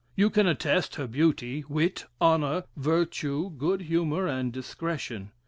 You can attest her beauty, wit, honor, virtue, good humor, and discretion.